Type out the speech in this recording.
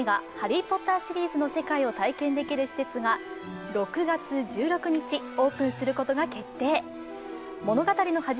「ハリー・ポッター」の世界を体験できる施設が６月１６日オープンすることが決定。